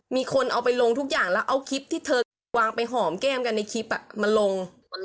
มีคนเอาไปลงทุกอย่างแล้วเอาคลิปที่เธอวางไปหอมแก้มกันในคลิปมาลง